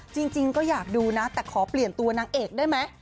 จริงก็อยากดูนะแต่ขอเปลี่ยนตัวนางเอกได้ไหม